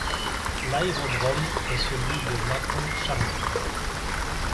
L'aérodrome est celui de Mâcon-Charnay.